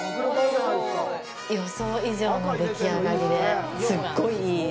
予想以上の出来上がりで、すっごいいい！